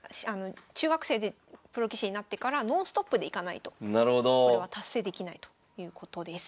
中学生でプロ棋士になってからノンストップでいかないとこれは達成できないということです。